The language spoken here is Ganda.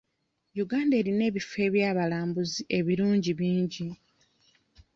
Uganda erina ebifo eby'abalambuzi ebirungi bingi.